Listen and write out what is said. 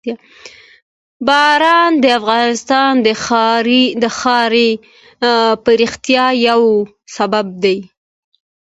باران د افغانستان د ښاري پراختیا یو سبب دی.